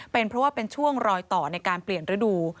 เป็นเพราะว่าเป็นช่วงรอยต่อในการเปลี่ยนฤดู